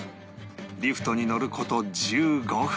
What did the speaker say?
リフトに乗る事１５分